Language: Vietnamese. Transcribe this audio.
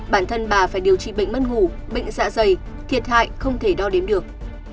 bản thân bà phải điều trị bệnh mất ngủ bệnh dạ dày thiệt hại không thể đo đếm được